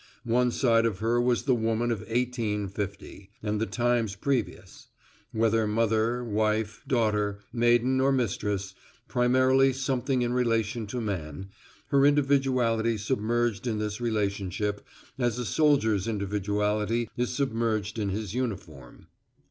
One side of her was the woman of 1850, and the times previous; whether mother, wife, daughter, maiden or mistress, primarily something in relation to man, her individuality submerged in this relationship, as a soldier's individuality is submerged in his uniform.